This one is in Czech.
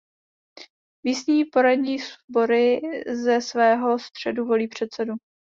Místní poradní sbory ze svého středu volí předsedu.